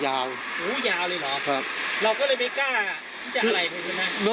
เราก็เลยไม่กล้าไม่ให้เราทนเนียว